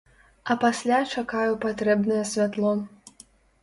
А пасля чакаю патрэбнае святло.